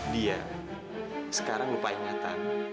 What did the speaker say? dia sekarang lupa ingatan